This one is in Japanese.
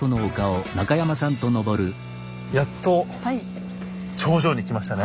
やっと頂上に来ましたね。